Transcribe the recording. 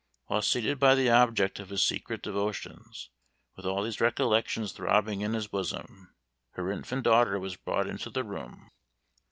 While seated by the object of his secret devotions, with all these recollections throbbing in his bosom, her infant daughter was brought into the room.